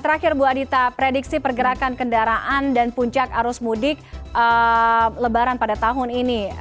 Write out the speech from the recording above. terakhir bu adita prediksi pergerakan kendaraan dan puncak arus mudik lebaran pada tahun ini